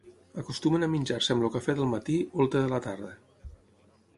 Acostumen a menjar-se amb el cafè del matí o el te de la tarda.